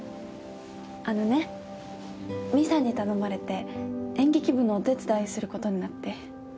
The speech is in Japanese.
あのね美沙に頼まれて演劇部のお手伝いすることになって。